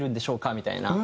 みたいな。